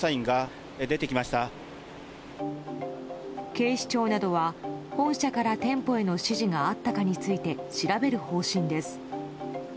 警視庁などは本社から店舗への指示があったかについて調べる方針です。